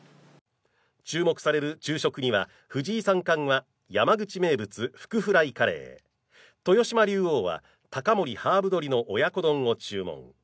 注目される昼食には、藤井三冠は山口名物ふくフライカレー、豊島竜王は高森ハーブ鶏の親子丼を注文。